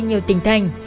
nhiều tình thành